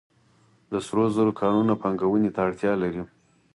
د سرو زرو کانونه پانګونې ته اړتیا لري